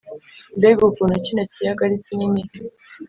Mbega ukuntu kino kiyaga ari kinini!